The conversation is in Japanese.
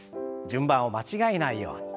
順番を間違えないように。